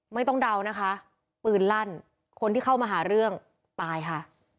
เดานะคะปืนลั่นคนที่เข้ามาหาเรื่องตายค่ะ